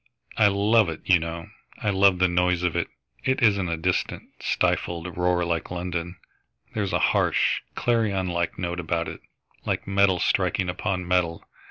I love it, you know. I love the noise of it. It isn't a distant, stifled roar like London. There's a harsh, clarion like note about it, like metal striking upon metal.